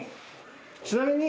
ちなみに。